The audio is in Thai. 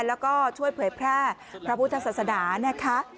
แล้วก็ช่วยเผยแพร่พระพุทธศักดิ์ศนานะครับ